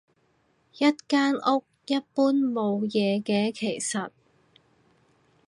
一間屋，一般冇嘢嘅其實